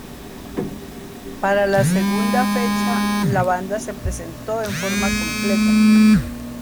Para la segunda fecha, la banda se presentó en forma completa.